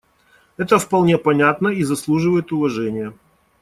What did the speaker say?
Это вполне понятно и заслуживает уважения.